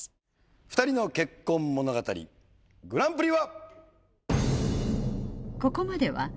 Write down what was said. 『２人の結婚物語』グランプリは！